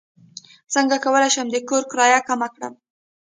څنګه کولی شم د کور کرایه کمه کړم